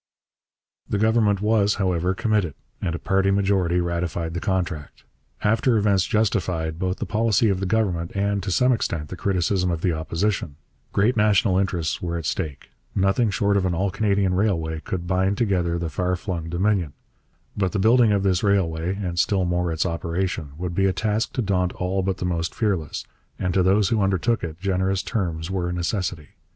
The Government was, however, committed, and a party majority ratified the contract. After events justified both the policy of the Government and, to some extent, the criticism of the Opposition. Great national interests were at stake. Nothing short of an all Canadian railway could bind together the far flung Dominion. But the building of this railway, and still more its operation, would be a task to daunt all but the most fearless, and to those who undertook it generous terms were a necessity.